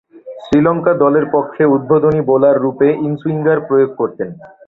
শ্রীলঙ্কা দলের পক্ষে উদ্বোধনী বোলাররূপে ইন-সুইঙ্গার প্রয়োগ করতেন।